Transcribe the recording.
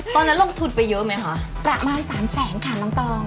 ตอนนั้นลงทุนไปเยอะไหมคะประมาณสามแสนค่ะน้องตอง